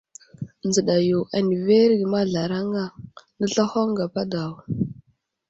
Nzəɗa yo andəverge mazlaraŋa, nəslahoŋ gapa daw.